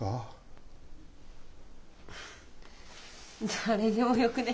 誰でもよくね？